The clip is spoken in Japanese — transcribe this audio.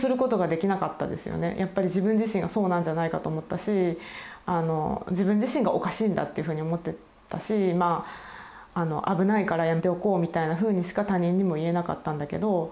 やっぱり自分自身がそうなんじゃないかと思ったし自分自身がおかしいんだっていうふうに思ってたしまあ危ないからやめておこうみたいなふうにしか他人にも言えなかったんだけど。